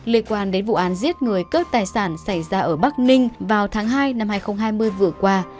liên quan đến vụ án giết người cướp tài sản xảy ra ở bắc ninh vào tháng hai năm hai nghìn hai mươi vừa qua